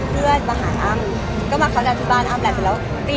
เพื่อนอ้ำไปเจอที่เอกมัยมันหยุดแล้วปีกว่าแล้วอย่างนี้